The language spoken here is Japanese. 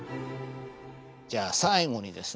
じゃあ最後にですね